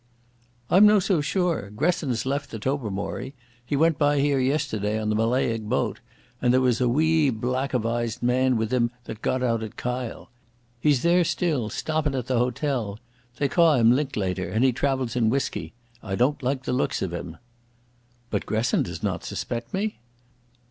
"I'm no so sure. Gresson's left the Tobermory. He went by here yesterday, on the Mallaig boat, and there was a wee blackavised man with him that got out at the Kyle. He's there still, stoppin' at the hotel. They ca' him Linklater and he travels in whisky. I don't like the looks of him." "But Gresson does not suspect me?"